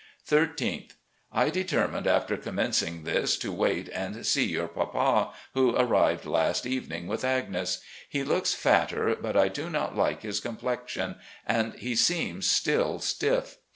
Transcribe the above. ... "Thirteenth. — I determined, after commencing this, to wait and see your papa, who arrived last evening with Agnes. He looks fatter, but I do not like his complexion, and he seems still stiff.